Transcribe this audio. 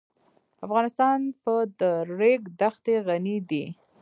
افغانستان په د ریګ دښتې غني دی.